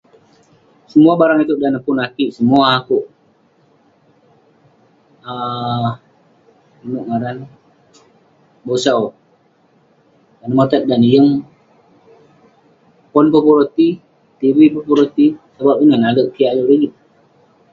Semuah barang itouk dan neh pun akik, semua akouk um inouk ngaren neh...bosau.. dan neh motat, dan neh yeng, pon peh pun roti, tv peh pun roti, ..sebab ineh nalek kik ayuk rigit..